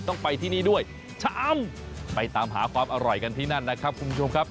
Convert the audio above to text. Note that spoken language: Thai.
ต้องไปที่นี่ด้วยชะอำไปตามหาความอร่อยกันที่นั่นนะครับคุณผู้ชมครับ